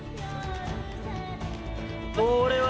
これは。